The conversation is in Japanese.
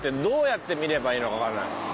どうやって見ればいいのかわからない。